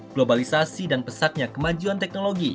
globalisasi dan pesatnya kemajuan teknologi